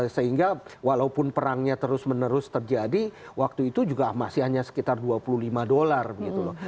sehingga walaupun perangnya terus menerus terjadi waktu itu juga masih hanya sekitar dua puluh lima dolar begitu loh